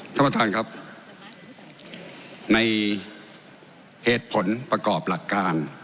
ท่านประธานครับในเหตุผลประกอบหลักการ